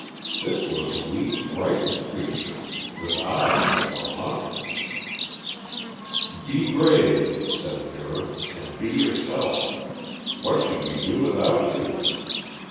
This was a weak, frightened creature, with eyes that were haunted. "Be brave," said Vera, "and be yourself. What should we do without you?